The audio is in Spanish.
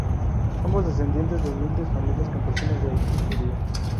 Ambos, descendientes de humildes familias campesinas de origen judío.